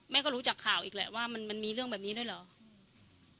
ก็รู้จากข่าวอีกแหละว่ามันมันมีเรื่องแบบนี้ด้วยเหรออืม